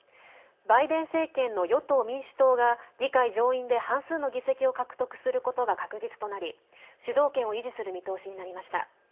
バイデン政権の与党・民主党が議会上院で半数の議席を獲得することが確実となり主導権を維持する見通しになりました。